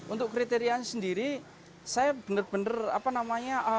untuk kriterianya sendiri saya benar benar apa namanya